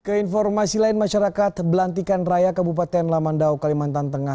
keinformasi lain masyarakat belantikan raya kabupaten lamandau kalimantan tengah